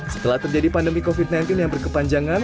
setelah terjadi pandemi covid sembilan belas yang berkepanjangan